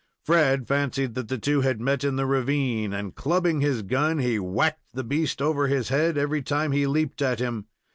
Fred fancied that the two had met in the ravine, and, clubbing his gun, he whacked the beast over his head every time he leaped at him.